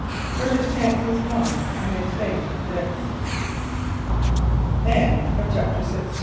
For his chance was gone and his fate fixed. CHAPTER XVII.